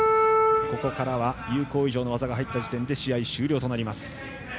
ここからは有効以上の技が入った時点で試合終了となります。